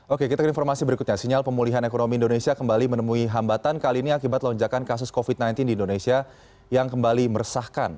oke kita ke informasi berikutnya sinyal pemulihan ekonomi indonesia kembali menemui hambatan kali ini akibat lonjakan kasus covid sembilan belas di indonesia yang kembali meresahkan